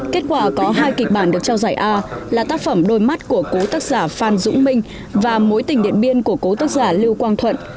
kết quả có hai kịch bản được trao giải a là tác phẩm đôi mắt của cố tác giả phan dũng minh và mối tình điện biên của cố tác giả lưu quang thuận